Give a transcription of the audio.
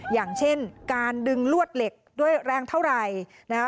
อย่างเช่นการดึงลวดเหล็กด้วยแรงเท่าไหร่นะคะ